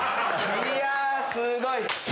いやすごい！